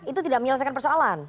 itu tidak menyelesaikan persoalan